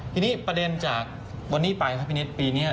ทีนี้ประเด็นจากแล้วจากปีนี้